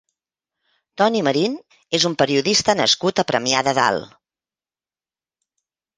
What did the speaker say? Toni Marín és un periodista nascut a Premià de Dalt.